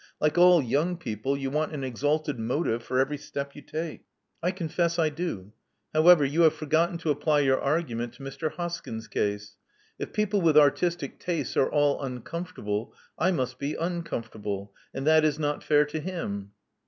Like all young people, you want an exalted motive for every step you take," Love Among the Artists 305 I confess I do. However, you have forgotten to apply your argument to Mr. Hoskyn's case. If people with artistic tastes are all uncomfortable, I must be uncomfortable; and that is not fair to him."